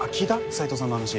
斎藤さんの話。